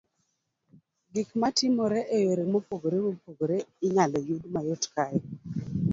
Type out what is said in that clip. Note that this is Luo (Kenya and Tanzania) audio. Gik ma timore e yore mopogore mopogore inyalo yud mayot kae.